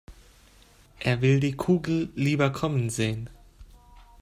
Er will die Kugel lieber kommen sehen.